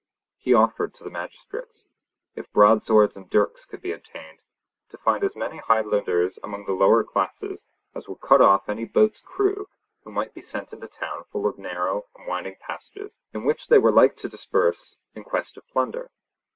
He offered to the magistrates, if broadswords and dirks could be obtained, to find as many Highlanders among the lower classes as would cut off any boat's crew who might be sent into a town full of narrow and winding passages, in which they were like to disperse in quest of plunder.